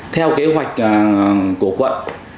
theo kế hoạch của quận